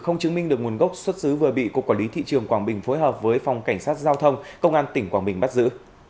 nguồn gốc xuất xứ vừa bị cục quản lý thị trường quảng bình phối hợp với phòng cảnh sát giao thông công an tỉnh quảng bình bắt giữ